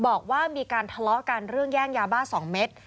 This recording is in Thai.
บอกว่ามีการทะเลาะกันเรื่องแย่งยาบ้า๒เม็ด